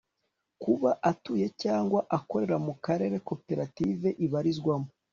kuba atuye cyangwa akorera mu karere koperative ibarizwamo